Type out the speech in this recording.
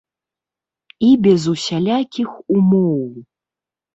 І без усялякіх умоў.